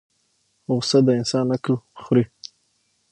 غصه د انسان عقل خوري